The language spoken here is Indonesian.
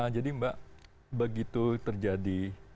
jadi mbak begitu terjadi